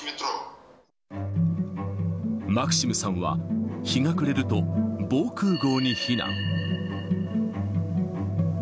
マクシムさんは、日が暮れると、防空ごうに避難。